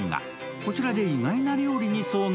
こちらで意外な料理に遭遇。